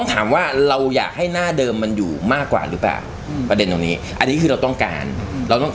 ข้าวเสียหายอย่าไปรู้เลยล่ะ